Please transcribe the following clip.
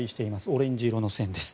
オレンジ色の線です。